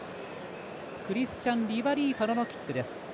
クリスチャン・リアリーファノのキックです。